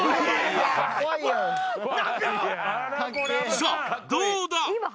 さあどうだ？